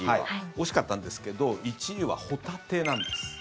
惜しかったんですけど１位はホタテなんです。